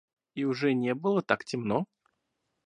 И уже не было так темно.